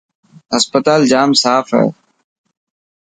هسپتال ڄام صاف هي.